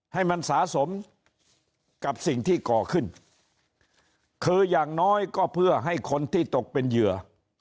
ให้มันสะสมกับสิ่งที่ก่อขึ้นคืออย่างน้อยก็เพื่อให้คนที่ตกเป็นเหยื่อ